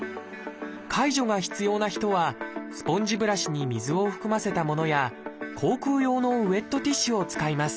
介助が必要な人はスポンジブラシに水を含ませたものや口腔用のウエットティッシュを使います。